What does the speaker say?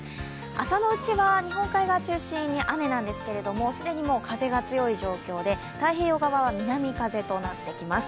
朝のうちは日本海側を中心に雨なんですけど既にもう風が強い状況で太平洋側は南風となってきます。